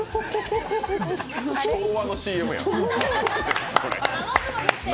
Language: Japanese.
昭和のＣＭや、これ。